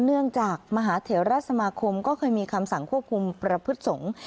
เนื่องจากมหาเถระสมาคมก็เคยมีคำสั่งควบคุมประพฤติสงฆ์